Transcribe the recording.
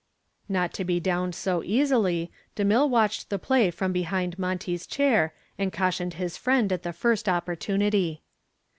Not to be downed so easily, DeMille watched the play from behind Monty's chair and cautioned his friend at the first opportunity.